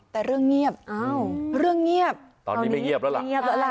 แต่เรื่องเงียบตอนนี้ไม่เงียบแล้วล่ะ